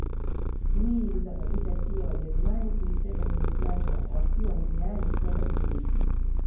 Hii ilisababisha pia Wajerumani kuiteka Yugoslavia wakiwa njiani kwenda Ugiriki